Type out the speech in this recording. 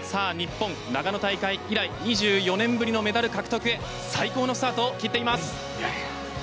日本、長野大会以来２４年ぶりのメダル獲得へ最高のスタートを切っています。